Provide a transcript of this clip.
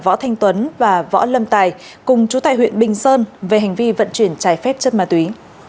võ thanh tuấn và võ lâm tài cùng chú tài huyện bình sơn về hành vi vận chuyển trái phép chất ma túy